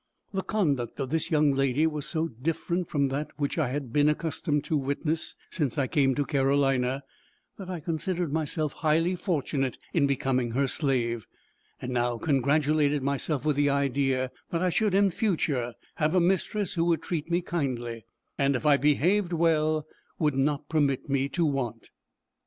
The conduct of this young lady was so different from that which I had been accustomed to witness since I came to Carolina, that I considered myself highly fortunate in becoming her slave, and now congratulated myself with the idea that I should, in future, have a mistress who would treat me kindly, and if I behaved well, would not permit me to want.